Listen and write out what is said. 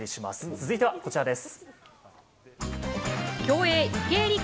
続いてはこちらです。